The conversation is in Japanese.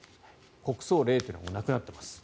国葬令というのはもうなくなっています。